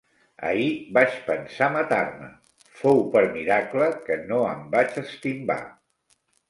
Ahir vaig pensar matar-me: fou per miracle que no em vaig estimbar.